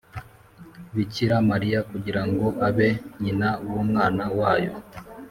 bikira mariya kugira ngo abe nyina w’umwana wayo;